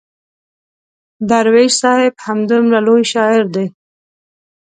درویش صاحب همدومره لوی شاعر دی.